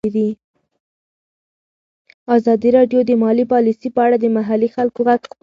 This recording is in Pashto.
ازادي راډیو د مالي پالیسي په اړه د محلي خلکو غږ خپور کړی.